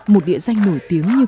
một địa danh nổi tiếng như